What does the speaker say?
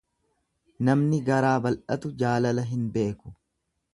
Namni garaa bal'atu jaalala hin beeku.